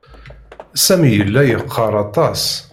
Sami yella yeqqaṛ aṭas.